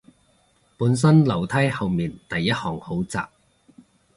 本身樓梯後面第一行好窄